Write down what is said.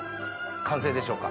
完成でしょうか？